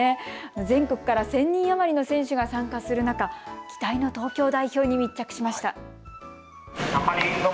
全国から１０００人余りの選手が参加する中、期待の東京代表に密着しました。